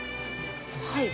はい。